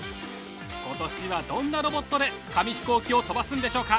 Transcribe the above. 今年はどんなロボットで紙飛行機を飛ばすんでしょうか？